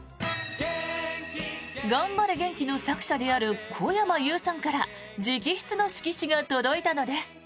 「がんばれ元気」の作者である小山ゆうさんから直筆の色紙が届いたのです。